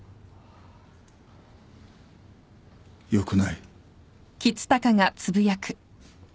よくない。